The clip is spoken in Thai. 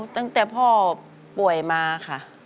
ตั้งแต่พ่อป่วยมาค่ะ